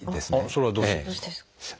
それはどうしてですか？